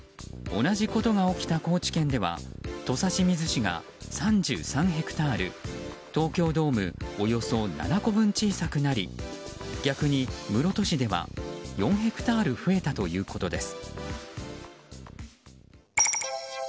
同じことが起きた高知県では土佐清水市が３３ヘクタール東京ドームおよそ７個分小さくなり逆に室戸市では４ヘクタール増えたということです。